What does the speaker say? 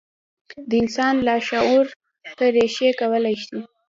د انسان لاشعور ته رېښې کولای شي.